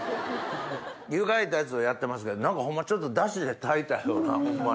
湯がいたやつをやってますけどちょっと出汁で炊いたようなホンマに。